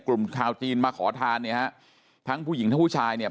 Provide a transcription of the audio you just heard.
กลุ่มชาวจีนมาขอทานเนี่ยฮะทั้งผู้หญิงทั้งผู้ชายเนี่ย